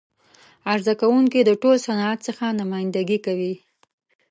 عرضه کوونکی د ټول صنعت څخه نمایندګي کوي.